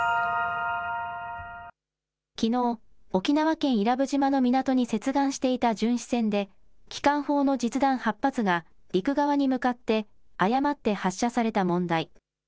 きのう、沖縄県伊良部島の港に接岸していた巡視船で機関砲の実弾８発が陸側に向かって誤って発射された問題。